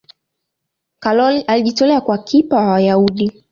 karol alijitolea kuwa kipa wa Wayahudi